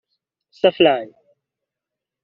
Safyral